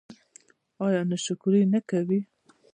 ایا ناشکري نه کوئ؟